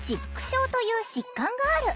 症という疾患がある。